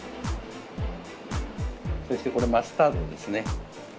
そしてこれマスタードですね。